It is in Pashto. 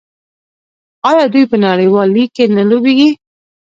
آیا دوی په نړیوال لیګ کې نه لوبېږي؟